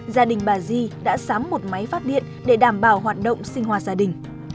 gia đình bà di đã sắm một máy phát điện để đảm bảo hoạt động sinh hoạt gia đình